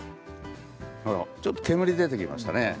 ちょっと煙が出てきましたね。